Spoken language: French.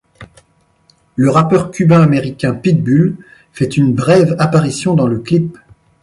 Le rappeur Cubain Américain Pitbull fait une brève apparition dans le clip.